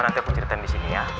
nanti aku ceritain disini ya